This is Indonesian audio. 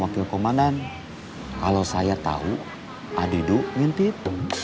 komanan kalau saya tahu adik adik ngintip